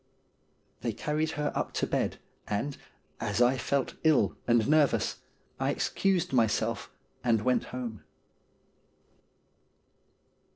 They carried her up to bed, and, as I felt ill and nervous, I excused myself and went home.